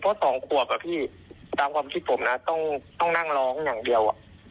เพราะสองขวบอะพี่ตามความคิดผมนะต้องนั่งร้องอย่างเดียว